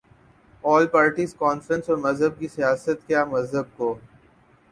آل parties conference اور مذہب کی سیاست کیا مذہب کو